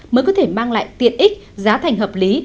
mới có thể mang lại tiện ích giá thành hợp lý